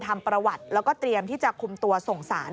ทำประวัติแล้วก็เตรียมที่จะคุมตัวส่งสาร